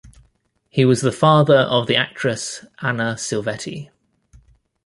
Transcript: He was the father of the actress Anna Silvetti.